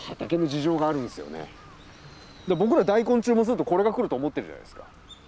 僕ら大根注文するとこれが来ると思ってるじゃないですか。